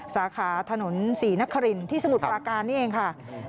สาขาถนนศรีนครินที่สมุทรปราการนี่เองค่ะ